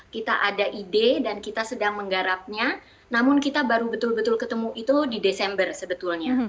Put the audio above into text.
kita ada ide dan kita sedang menggarapnya namun kita baru betul betul ketemu itu di desember sebetulnya